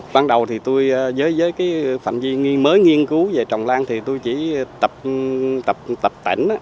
ban đầu thì tôi với cái phạm duyên mới nghiên cứu về trồng lan thì tôi chỉ tập tảnh